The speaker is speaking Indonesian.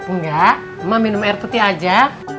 enggak emak minum air putih aja